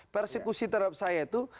persekusi terhadap saya itu